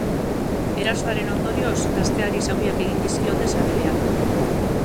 Erasoaren ondorioz, gazteari zauriak egin dizkiote sabelean.